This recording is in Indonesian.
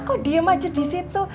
kok diem aja disitu